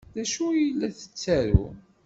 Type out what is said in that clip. D acu ay la tettaru?